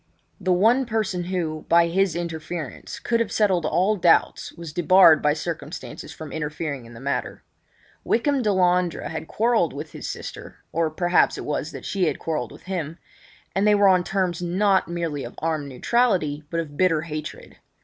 The one person who, by his interference, could have settled all doubts was debarred by circumstances from interfering in the matter. Wykham Delandre had quarrelled with his sister—or perhaps it was that she had quarrelled with him—and they were on terms not merely of armed neutrality but of bitter hatred.